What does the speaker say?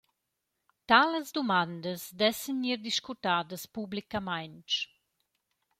Talas dumandas dessan gnir discutadas publicamaing.